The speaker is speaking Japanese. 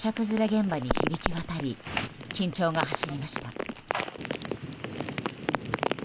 現場に響き渡り緊張が走りました。